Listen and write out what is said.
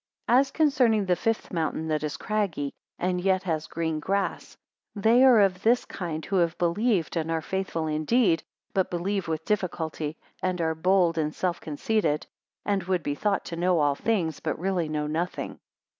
198 As concerning the fifth mountain that is craggy, and yet has green grass; they are of this kind who have believed, and are faithful indeed, but believe with difficulty, and are bold and self conceited; and would be thought to know all things, but really know nothing.